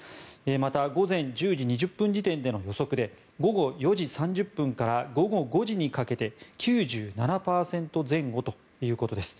また、午前１０時２０分時点での予測で午後４時３０分から午後５時にかけて９７％前後ということです。